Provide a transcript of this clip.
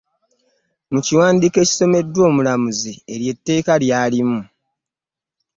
Mu kiwandiiko ekyasomeddwa Omulamuzi eryo etteeka ly'alimu.